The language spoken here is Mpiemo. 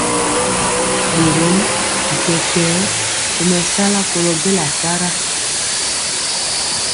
Borom bi kɛkɛɛ tomesala kolo bela para.